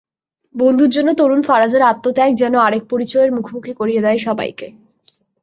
বন্ধুর জন্য তরুণ ফারাজের আত্মত্যাগ যেন আরেক পরিচয়ের মুখোমুখি করিয়ে দেয় সবাইকে।